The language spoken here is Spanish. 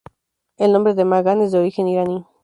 El nombre de Magán, es de origen Iraní.